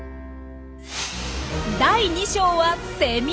第２章はセミ。